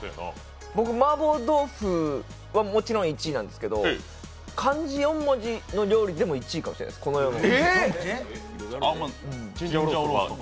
僕、麻婆豆腐はもちろん１位なんですけど、漢字四文字の料理でも１位かもしれません、この世の。